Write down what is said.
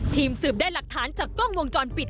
ทีมสืบได้หลักฐานจากกล้องวงจรปิด